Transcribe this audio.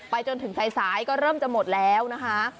จนถึงสายก็เริ่มจะหมดแล้วนะคะ